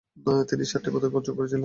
তিনি সাতটি পদক অর্জন করে ছিলেন।